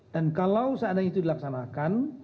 dan kalau seandainya itu dilaksanakan